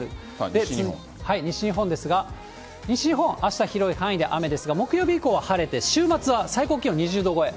で、西日本ですが、西日本、あした広い範囲で雨ですが、木曜日以降は晴れて、週末は最高気温２０度超え。